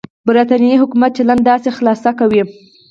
برېټانوي حکومت چلند داسې خلاصه کوي.